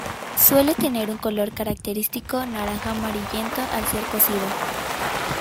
Suele tener un color característico naranja-amarillento al ser cocido.